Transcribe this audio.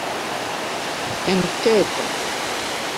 enketo